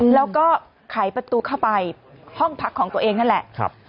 แล้วก็ไขประตูเข้าไปห้องพักของตัวเองนั่นแหละ